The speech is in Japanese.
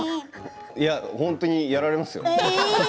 いや本当にやられますよ。